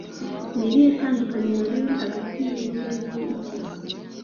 Ni irihe tandukaniro riri hagati yimbwa nimpyisi?